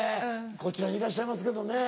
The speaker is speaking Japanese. こちらにいらっしゃいますけどね。